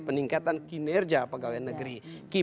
peningkatan kinerja pegawai negeri